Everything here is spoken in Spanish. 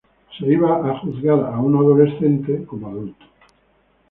El adolescente se le iba a juzgar como adulto.